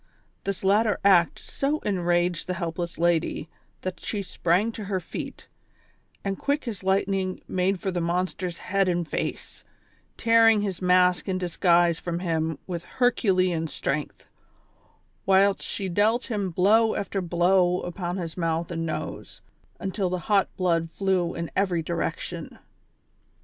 This latter act so enraged the helpless lady, that she sprang to her feet, and quick as lightning made for the monster's head and face, tearing his mask and disguise from him with herculean strength, whilst she dealt him blow after blow upon his mouth and nose, until the hot blood flew in every direction.